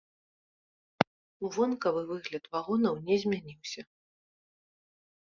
Вонкавы выгляд вагонаў не змяніўся.